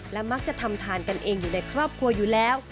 และมักจะทำทานกันเองอยู่ในครอบครัวอยู่แล้ว